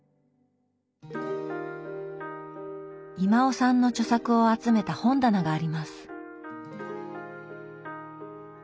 威馬雄さんの著作を集めた本棚があります。